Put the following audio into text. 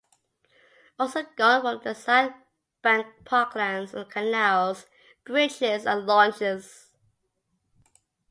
Also gone from the South Bank Parklands are the canals, bridges and launches.